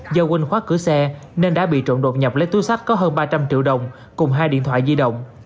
do quân khoát cửa xe nên đã bị trộm đột nhập lấy túi sách có hơn ba trăm linh triệu đồng cùng hai điện thoại di động